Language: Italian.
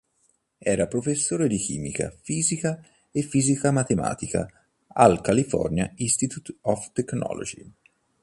Era professore di chimica fisica e fisica matematica al California Institute of Technology.